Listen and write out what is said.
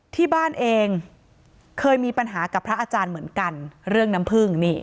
ที่บ้านเองเคยมีปัญหากับพระอาจารย์เหมือนกันเรื่องน้ำผึ้ง